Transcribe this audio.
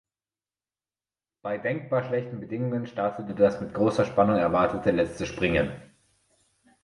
Bei denkbar schlechten Bedingungen startete das mit großer Spannung erwartete letzte Springen.